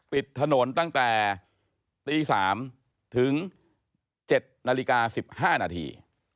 ปิดถนนตั้งแต่ตี๓ถึง๗นาฬิกา๑๕นาที